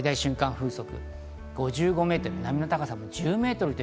風速５５メートル、波の高さ１０メートル。